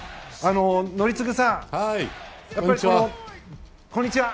宜嗣さん、こんにちは。